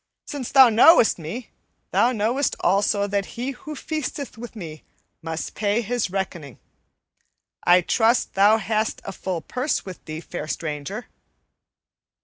Sin' thou knowest me, thou knowest also that he who feasteth with me must pay his reckoning. I trust thou hast a full purse with thee, fair stranger."